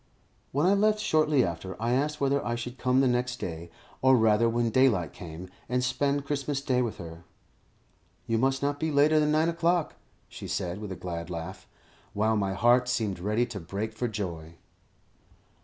When I left shortly after, I asked whether I should come the next day, or rather when daylight came, and spend Christmas Day with her. "You must not be later than nine o'clock," she said, with a glad laugh, while my heart seemed ready to break for joy.